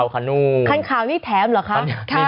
คันขาวนี่แถมเหรอคะ